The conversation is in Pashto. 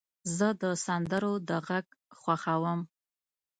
زه د سندرو د غږ خوښوم.